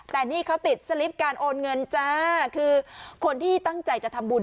แต่นี่เขาติดสลิปการโอนเงินจ้าคือคนที่ตั้งใจจะทำบุญ